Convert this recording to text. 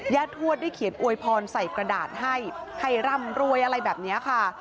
ทวดได้เขียนอวยพรใส่กระดาษให้ให้ร่ำรวยอะไรแบบนี้ค่ะ